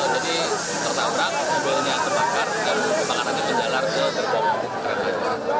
jadi tertabrak mobilnya terbakar dan kebakarannya berjalar ke gerbong kereta